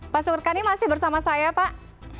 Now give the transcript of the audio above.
pak surkani masih bersama saya pak